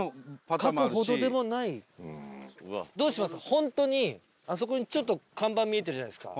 本当にあそこにちょっと看板見えてるじゃないですか。